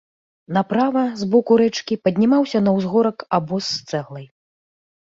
Направа, з боку рэчкі, паднімаўся на ўзгорак абоз з цэглай.